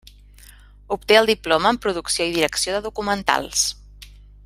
Obté el diploma en producció i direcció de documentals.